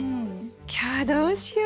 今日はどうしよう？